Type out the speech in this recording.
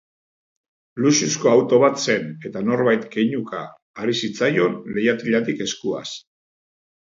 Luxuzko auto bat zen, eta norbait keinuka ari zitzaion leihatilatik eskuaz.